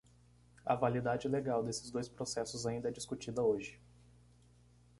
A validade legal desses dois processos ainda é discutida hoje.